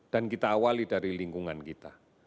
dan kita awali dari lingkungan kita